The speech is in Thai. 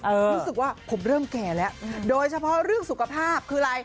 รู้สึกว่าผมเริ่มแก่แล้วโดยเฉพาะเรื่องสุขภาพคืออะไร